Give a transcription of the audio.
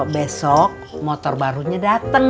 besok motor barunya dateng